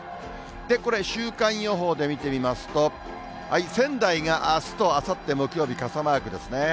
これ、週間予報で見てみますと、仙台があすとあさっての木曜日、傘マークですね。